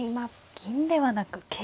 銀ではなく桂馬を。